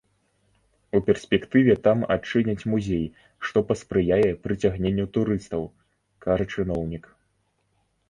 У перспектыве там адчыняць музей, што паспрыяе прыцягненню турыстаў, кажа чыноўнік.